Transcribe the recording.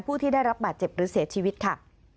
ผู้ที่ได้รับบาดเจ็บหรือเสียชีวิตค่ะ